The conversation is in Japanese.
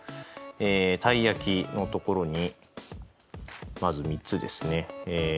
たい焼きの所にまず３つですね。